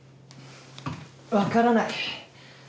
わからない。